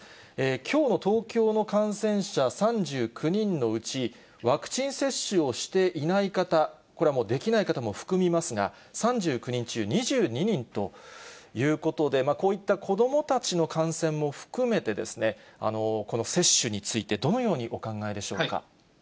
きょうの東京の感染者３９人のうち、ワクチン接種をしていない方、これはもうできない方も含みますが、３９人中２２人ということで、こういった子どもたちの感染も含めてですね、この接種について、どのようにお考えでしょうか。